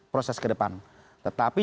proses ke depan tetapi